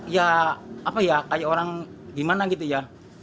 ya apa ya kayak orang gimana gitu ya